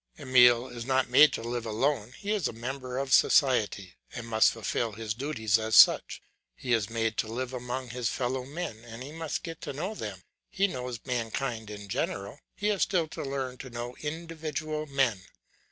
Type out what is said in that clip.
Emile is not made to live alone, he is a member of society, and must fulfil his duties as such. He is made to live among his fellow men and he must get to know them. He knows mankind in general; he has still to learn to know individual men.